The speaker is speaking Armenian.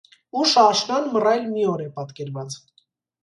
Ուշ աշնան մռայլ մի օր է պատկերված։